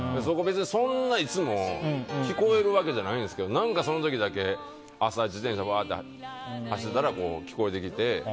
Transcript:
そんないつも聞こえるわけじゃないんですけど何か、その時だけ朝、自転車で走っていたら聴こえてきて。